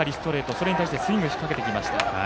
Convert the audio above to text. それに対してスイングしかけてきました。